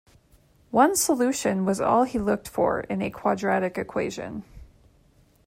One solution was all he looked for in a quadratic equation.